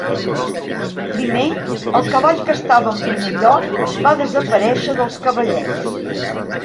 Primer, el cavall que estava en primer lloc va desaparèixer dels cavallets.